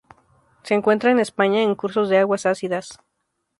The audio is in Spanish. Se encuentra en España en cursos de aguas ácidas.